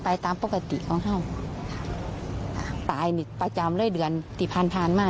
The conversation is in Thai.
ตามปกติของเขาตายนี่ประจำเลยเดือนที่ผ่านมา